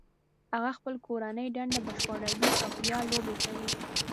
هغه خپل کورنۍ دنده بشپړوي او بیا لوبې کوي